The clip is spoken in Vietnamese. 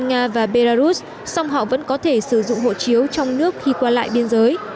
nga và belarus song họ vẫn có thể sử dụng hộ chiếu trong nước khi qua lại biên giới